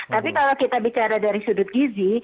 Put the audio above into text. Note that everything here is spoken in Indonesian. tapi kalau kita bicara dari sudut gizi